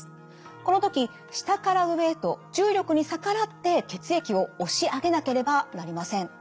この時下から上へと重力に逆らって血液を押し上げなければなりません。